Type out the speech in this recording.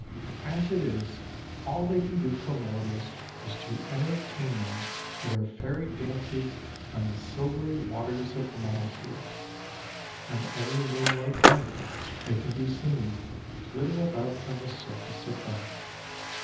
As it is, all they can do for mortals is to entertain them with their fairy dances on the silvery waters of Mummelsee. On every moonlight night they can be seen flitting about on the surface of that.